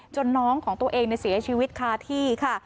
น้องของตัวเองเสียชีวิตคาที่ค่ะ